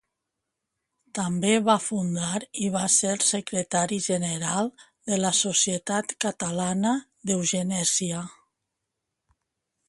També va fundar i va ser secretari general de la Societat Catalana d'Eugenèsia.